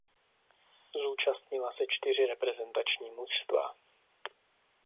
Zúčastnila se čtyři reprezentační mužstva.